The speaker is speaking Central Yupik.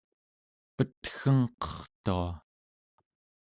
petgengqertua